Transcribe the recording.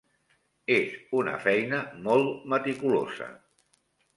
És una feina molt meticulosa.